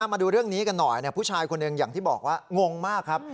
มาดูเรื่องนี้กันหน่อยผู้ชายคนหนึ่งอย่างที่บอกว่างงมากครับ